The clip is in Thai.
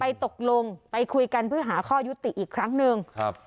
ไปตกลงไปคุยกันเพื่อหาข้อยุติอีกครั้งนึง